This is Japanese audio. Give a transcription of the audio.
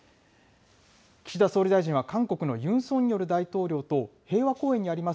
岸田総理大臣は韓国のユン・ソンニョル大統領と平和公園にありま